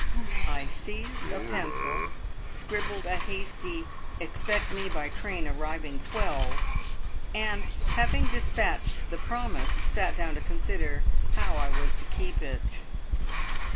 I seized a pencil, scribbled a hasty "Expect me by train arriving twelve," and having despatched the promise, sat down to consider how I was to keep it.